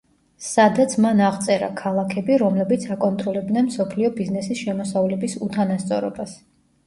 სადაც მან აღწერა ქალაქები, რომლებიც აკონტროლებდნენ მსოფლიო ბიზნესის შემოსავლების უთანასწორობას.